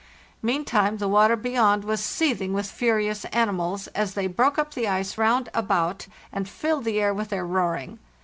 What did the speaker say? Meantime the water beyond was seething with furicus animals, as they broke up the ice round about and filled the air with their roaring.